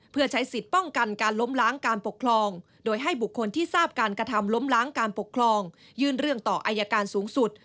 เพื่อใช้สิทธิ์ป้องกันการล้มล้างการปกครองโดยให้บุคคลที่ทราบการกระทำล้มล้างการปกครองยื่นเรื่องต่ออายการสูงสุด